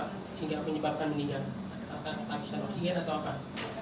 sehingga penyebabkan meninggal